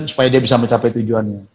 supaya dia bisa mencapai tujuannya